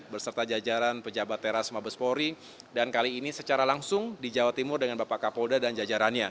berserta jajaran pejabat teras mabespori dan kali ini secara langsung di jawa timur dengan bapak kapolda dan jajarannya